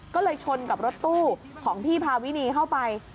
ก็เลยชนกับรถตู้ของพี่พาวินีเข้าไป